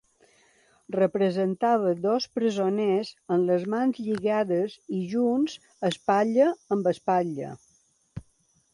Representava dos presoners amb les mans lligades i junts espatlla amb espatlla.